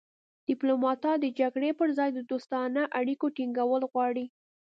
ډیپلومات د جګړې پر ځای د دوستانه اړیکو ټینګول غواړي